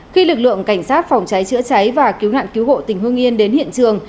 khi lực lượng cảnh sát phòng cháy chữa cháy và cứu nạn cứu hộ tỉnh hương yên đến hiện trường